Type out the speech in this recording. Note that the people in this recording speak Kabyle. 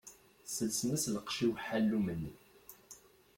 Sselsen-as lqecc i uḥallum-nni.